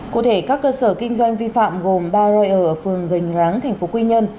cụ thể các cơ sở kinh doanh vi phạm gồm ba roi ở phường gành ráng tp quy nhơn